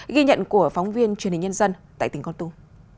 ghi nhận của phóng viên truyền hình nhân dân tại tỉnh con tum